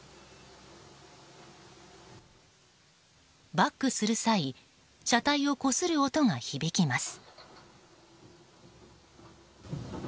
バックする際車体をこする音が響きます。